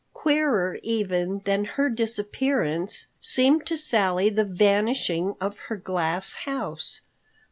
Queerer even than her disappearance seemed to Sally the vanishing of her glass house.